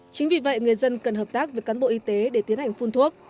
chính vì vậy người dân cần hợp tác với cán bộ y tế để tiến hành phun thuốc